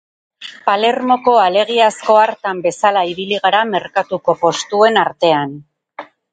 Palermoko alegiazko hartan bezala ibili gara merkatuko postuen artean.